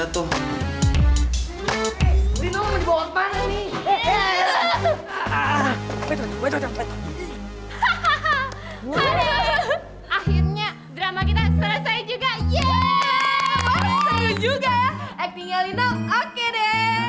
actingnya lina oke deh